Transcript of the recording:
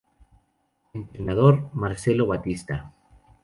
Entrenador: Marcelo Batista